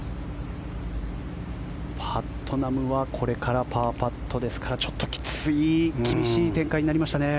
パットナムはこれからパーパットですからですから、ちょっときつい厳しい展開になりましたね。